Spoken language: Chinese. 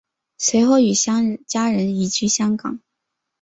随后与家人移居香港。